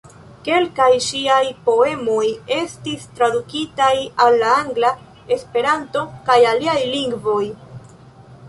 Kelkaj ŝiaj poemoj estis tradukitaj al la angla, Esperanto kaj aliaj lingvoj.